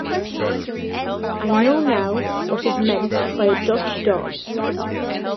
I know now what is meant by a Dutch doll.